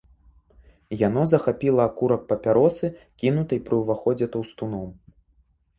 Яно захапіла акурак папяросы, кінутай пры ўваходзе таўстуном.